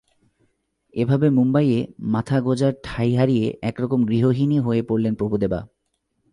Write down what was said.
এভাবে মুম্বাইয়ে মাথা গোঁজার ঠাঁই হারিয়ে একরকম গৃহহীনই হয়ে পড়েন প্রভুদেবা।